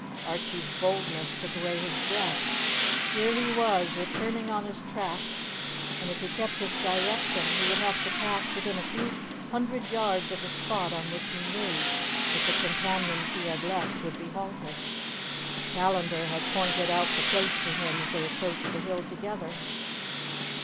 Archie's boldness took away his breath. Here he was, returning on his tracks, and if he kept his direction, he would have to pass within a few hundred yards of the spot on which he knew that the companions he had left would be halted; Callandar had pointed out the place to him as they approached the hill together.